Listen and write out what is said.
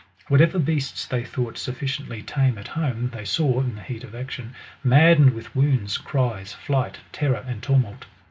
Whatever beasts they thought suffi ciently tame at home, they saw, in the heat of action, mad dened with wounds, cries, flight, terror, and tumult.